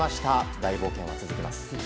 大冒険は続きます。